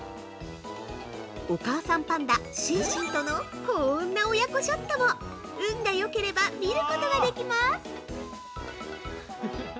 お母さんパンダ、シンシンとのこんな親子ショットも運がよければ見ることができます。